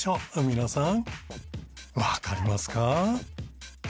皆さんわかりますか？